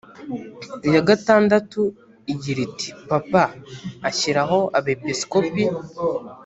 iya gatandatu igira iti papa ashyiraho abepisikopi